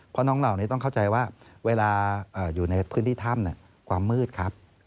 เพราะน้องเหล่านี้ต้องเข้าใจว่าเวลาอยู่ในพื้นที่ถ้ำความมืดครับ